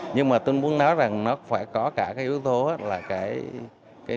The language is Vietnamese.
nhưng mà tôi muốn nói rằng nó phải có cả cái yếu tố là cái